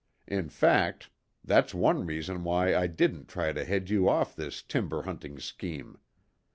In fact, that's one reason why I didn't try to head you off this timber hunting scheme.